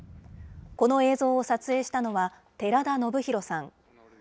この映像を撮影したのは、寺田宜弘さん。